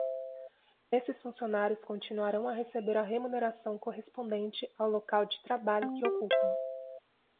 Esses funcionários continuarão a receber a remuneração correspondente ao local de trabalho que ocupam.